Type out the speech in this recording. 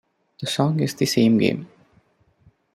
The song is the same game.